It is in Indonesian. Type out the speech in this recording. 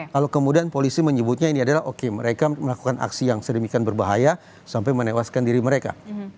lalu kemudian polisi menyebutnya ini adalah oke mereka melakukan aksi yang sedemikian berbahaya sampai menewaskan diri mereka